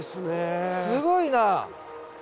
すごいな。